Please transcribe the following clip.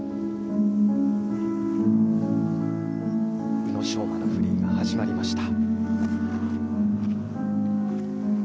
宇野昌磨のフリーが始まりました。